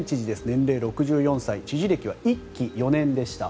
年齢６４歳知事歴は１期、４年でした。